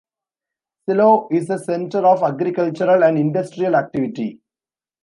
Silao is a center of agricultural and industrial activity.